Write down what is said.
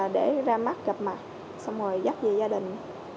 để ra mắt gặp mặt xong rồi dắt về gia đình